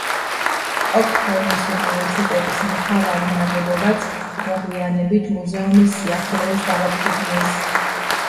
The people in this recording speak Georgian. სტოკჰოლმის უნივერსიტეტის მთავარი ნაგებობაც მოგვიანებით მუზეუმის სიახლოვეს დააფუძნეს.